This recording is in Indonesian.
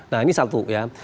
nah ini satu ya